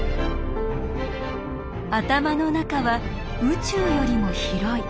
頭の中は宇宙よりも広い。